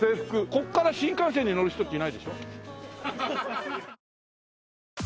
ここから新幹線に乗る人っていないでしょ？